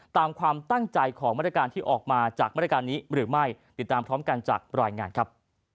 ตามความตั้งใจของมาตรการที่ออกมาจากมาตรการนี้หรือไม่ติดตามพร้อมกันจากรายงานครับ